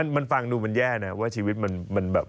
มันฟังดูมันแย่นะว่าชีวิตมันแบบ